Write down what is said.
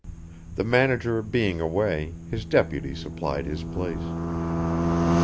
The manager being away, his deputy supplied his place.